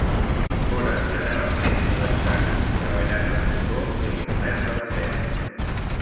Foren generalment sedentaris, treballant al cotó i el comerç de la seda.